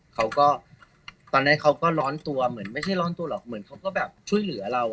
เขาก็ตอนนั้นเขาก็ร้อนตัวเหมือนไม่ใช่ร้อนตัวหรอกเหมือนเขาก็แบบช่วยเหลือเรา